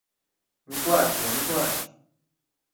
Не плач жа, не плач!